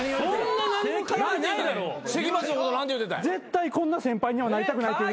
絶対こんな先輩にはなりたくないって。